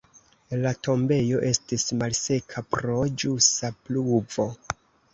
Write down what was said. La tombejo estis malseka pro ĵusa pluvo.